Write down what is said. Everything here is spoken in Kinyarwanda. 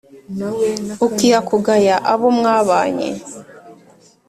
ukiha kugaya abo mwabanye